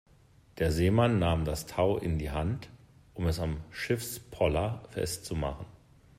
Der Seemann nahm das Tau in die Hand, um es am Schiffspoller festzumachen.